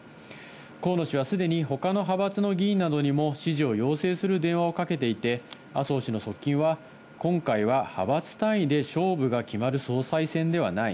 河野氏はすでにほかの派閥の議員などにも支持を要請する電話をかけていて、麻生氏の側近は、今回は派閥単位で勝負が決まる総裁選ではない。